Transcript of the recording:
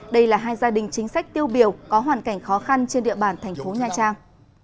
đây là hai gia đình chính sách tiêu biểu có hoàn cảnh khó khăn trên địa bàn thành phố nha trang